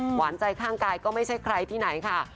หวานใจข้างกายก็ไม่ใช่ใครที่ไหนค่ะ